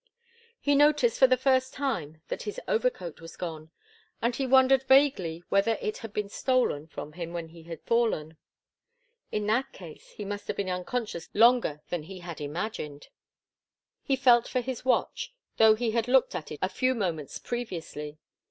He noticed for the first time that his overcoat was gone, and he wondered vaguely whether it had been stolen from him when he had fallen. In that case he must have been unconscious longer than he had imagined. He felt for his watch, though he had looked at it a few moments previously.